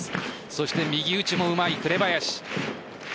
そして右打ちもうまい紅林。